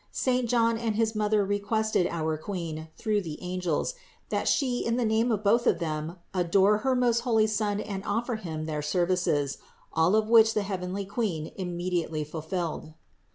Saint John and his mother requested our Queen through the angels, that She in the name of them both, adore her most holy Son and offer Him their services ; all of which the heavenly Queen immediately fulfilled.